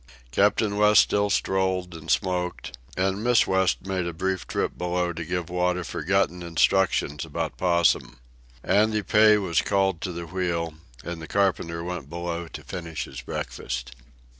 Captain West still strolled and smoked, and Miss West made a brief trip below to give Wada forgotten instructions about Possum. Andy Pay was called to the wheel, and the carpenter went below to finish his breakfast.